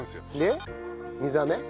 で水あめ。